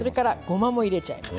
ごまも入れちゃいます。